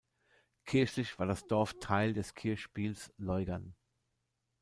Kirchlich war das Dorf Teil des Kirchspiels Leuggern.